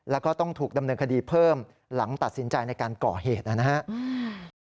แล้วก็ต้องถูกดำเนินคดีเพิ่มหลังตัดสินใจในการก่อเหตุนะครับ